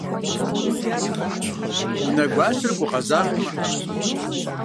Унэгуащэр гугъэзагъэу мэӀэбэ.